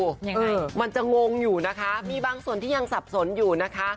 ยังไงมันจะงงอยู่นะคะมีบางส่วนที่ยังสับสนอยู่นะคะ